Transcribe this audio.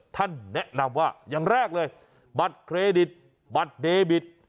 ท่านแนะนำว่าอย่างแรกเลยบัตรเครดิตบัตรเดบิต